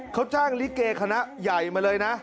เขาจ้างลิเกคณะใหญ่มาเลยนะ